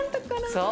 そう。